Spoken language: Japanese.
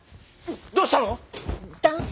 どうしたの⁉男性